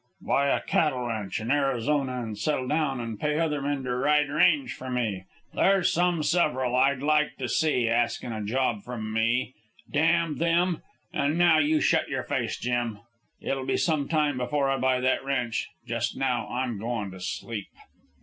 "Buy a cattle ranch in Arizona an' set down an' pay other men to ride range for me. There's some several I'd like to see askin' a job from me, damn them! An' now you shut your face, Jim. It'll be some time before I buy that ranch. Just now I'm goin' to sleep."